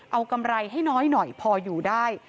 เอากำไรให้น้อยหน่อยพออยู่ได้